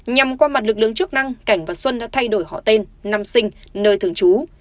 nhằm qua mặt lực lượng chức năng cảnh và xuân đã thay đổi họ tên năm sinh nơi thường trú